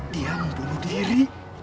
dia mau bunuh diri